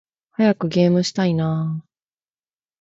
早くゲームしたいな〜〜〜